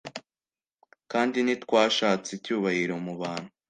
Kandi ntitwashatse icyubahiro mu bantu,